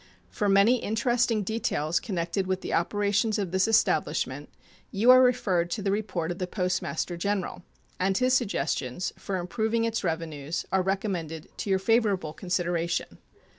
For many interesting details connected with the operations of this establishment you are referred to the report of the Postmaster General, and his suggestions for improving its revenues are recommended to your favorable consideration.